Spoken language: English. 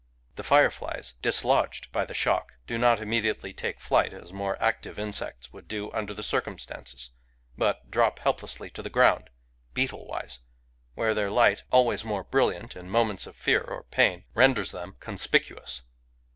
The fireflies, dislodged by the shock, do not im mediately take flight, as more active insects would do under like circumstances, but drop helplessly to the ground, beetle wise, where their light — always more brilliant in moments of fear or pain — renders them conspicuous.